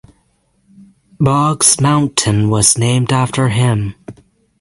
Boggs Mountain was named after him.